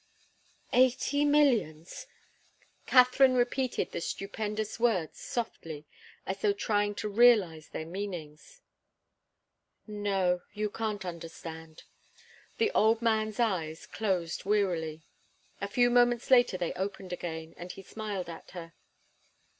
"Eighty millions." Katharine repeated the stupendous words softly, as though trying to realize their meaning. "No you can't understand." The old man's eyes closed wearily. A few moments later they opened again, and he smiled at her.